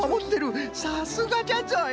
さすがじゃぞい！